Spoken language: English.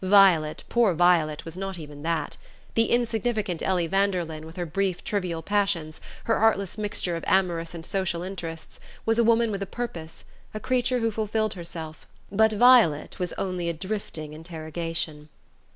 Violet, poor Violet, was not even that. The insignificant Ellie Vanderlyn, with her brief trivial passions, her artless mixture of amorous and social interests, was a woman with a purpose, a creature who fulfilled herself; but Violet was only a drifting interrogation.